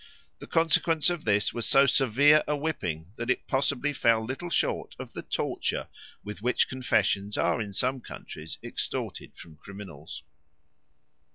The consequence of this was, so severe a whipping, that it possibly fell little short of the torture with which confessions are in some countries extorted from criminals.